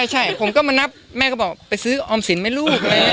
ใช่ผมก็มานับแม่ก็บอกไปซื้อออมสินไหมลูก